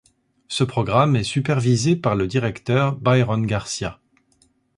Ce programme est supervisé par le directeur Byron Garcia.